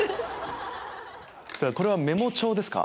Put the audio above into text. さぁこれはメモ帳ですか？